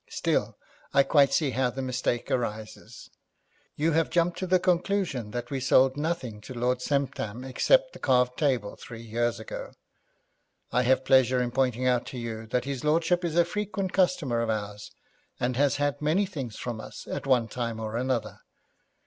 Still, I quite see how the mistake arises. You have jumped to the conclusion that we sold nothing to Lord Semptam except that carved table three years ago. I have pleasure in pointing out to you that his lordship is a frequent customer of ours, and has had many things from us at one time or another.